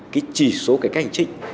cái chỉ số cái cách hành trình